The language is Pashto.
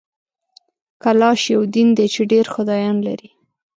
کلاش یو دین دی چي ډېر خدایان لري